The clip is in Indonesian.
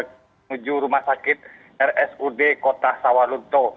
menuju rumah sakit rsud kota sawalunto